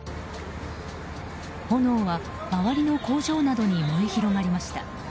炎は周りの工場などに燃え広がりました。